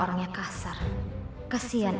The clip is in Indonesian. emang lo liat dirimu ser stu belakang